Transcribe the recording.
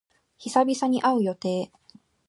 久々に会う予定。